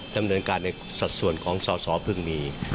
ดำเนินการในสัดส่วนของสอสอเพิ่งมี